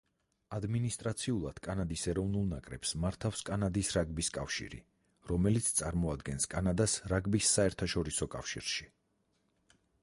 ადმინისტრაციულად კანადის ეროვნულ ნაკრებს მართავს კანადის რაგბის კავშირი, რომელიც წარმოადგენს კანადას რაგბის საერთაშორისო კავშირში.